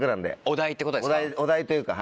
お題ってことですか？